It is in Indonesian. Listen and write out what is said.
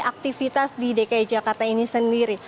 aktivitas di dki jakarta ini sendiri